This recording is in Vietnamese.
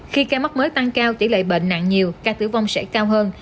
khi ca mắc mới tăng cao tỷ lệ bệnh nặng nhiều ca tử vong sẽ cao hơn